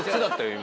今。